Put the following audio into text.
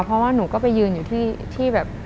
เพราะว่าหนูก็ไปยืนอยู่ที่แบบ